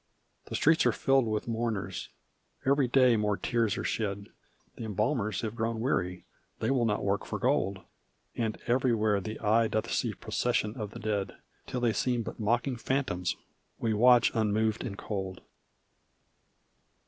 "The streets are filled with mourners; every day more tears are shed; The embalmers have grown weary they will not work for gold And everywhere the eye doth see processions of the dead, Till they seem but mocking phantoms, we watch unmoved and cold."